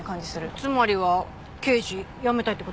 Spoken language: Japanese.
つまりは刑事辞めたいって事？